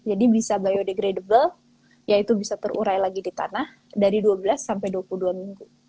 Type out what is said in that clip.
jadi bisa biodegradable yaitu bisa terurai lagi di tanah dari dua belas sampai dua puluh dua minggu